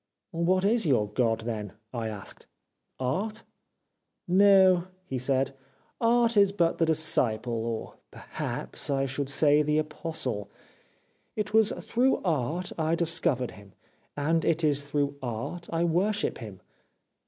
"' What is your God, then ?' I asked. * Art ?'"' No,' he said, * Art is but the disciple, or, perhaps, I should say the Apostle. It was through Art I discovered him, and it is through Art I worship him.